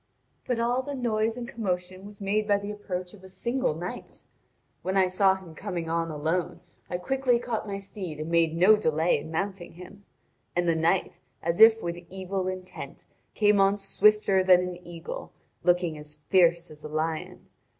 But all the noise and commotion was made by the approach of a single knight. When I saw him coming on alone I quickly caught my steed and made no delay in mounting him. And the knight, as if with evil intent, came on swifter than an eagle, looking as fierce as a lion.